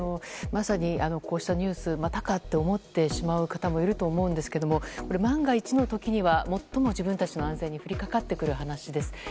まさにこうしたニュースまたかと思ってしまう方もいると思うんですけど万が一の時には最も自分たちの安全に降りかかってくる話です。